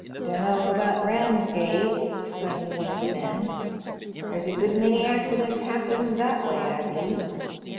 " "Dunno about Ramsgate," exclaimed one of the men ;there's a good many accidents happens that way, I believe.